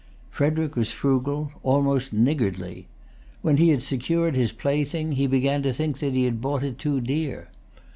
Frederic was frugal, almost niggardly. When he had secured his plaything, he began to think that he had bought it too dear.